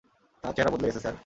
তার চেহারা বদলে গেছে, স্যার।